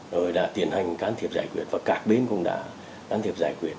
rồi đã tiến hành can thiệp giải quyết và các bên cũng đã can thiệp giải quyết